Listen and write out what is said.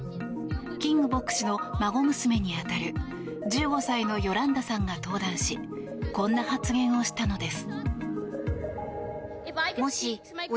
キング牧師の孫娘に当たる１５歳のヨランダさんが登壇しこんな発言をしたのです。